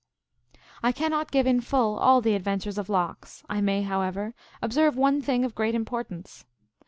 I cannot give in full all the adventures of Lox. I may, however, observe one thing of great importance.